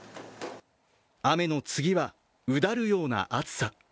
雨の次は、うだるような暑さ。